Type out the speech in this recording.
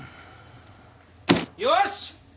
よし！